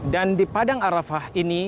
dan di padang arafah ini